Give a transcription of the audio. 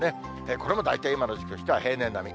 これも大体今の時期としては平年並み。